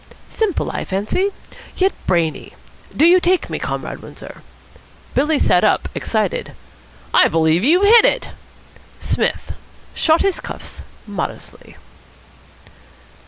Simple, I fancy? Yet brainy. Do you take me, Comrade Windsor?" Billy sat up, excited. "I believe you've hit it." Psmith shot his cuffs modestly.